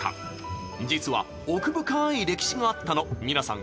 実は、奥深い歴史があったの皆さん